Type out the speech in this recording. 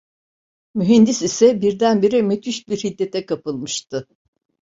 Mühendis ise birdenbire müthiş bir hiddete kapılmıştı.